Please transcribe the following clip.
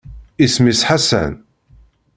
Isem-is Ḥasan